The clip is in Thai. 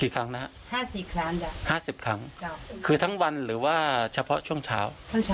๕๐ครั้งคือทั้งวันหรือเฉพาะช่วงเช้า